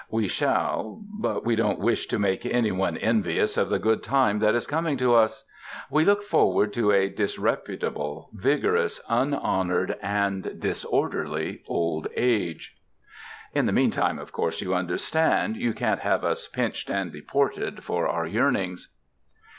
We shall ... but we don't wish to make any one envious of the good time that is coming to us ... we look forward to a disreputable, vigorous, unhonored and disorderly old age. (In the meantime, of course, you understand, you can't have us pinched and deported for our yearnings.)